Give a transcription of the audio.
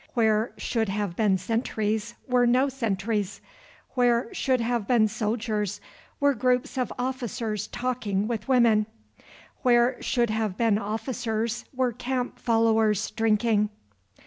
Where should have been sentries were no sentries; where should have been soldiers were groups of officers talking with women; where should have been officers were camp followers drinking.